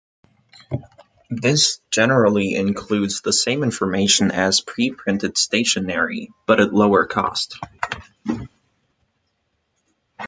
This generally includes the same information as pre-printed stationery, but at lower cost.